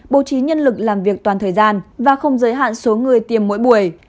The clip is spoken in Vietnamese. bố trí nhân lực làm việc toàn thời gian và không giới hạn số người tiêm mỗi buổi